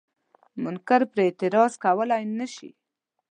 منکر پرې اعتراض کولای نشي.